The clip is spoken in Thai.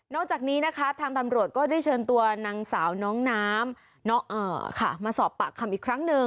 จากนี้นะคะทางตำรวจก็ได้เชิญตัวนางสาวน้องน้ำมาสอบปากคำอีกครั้งหนึ่ง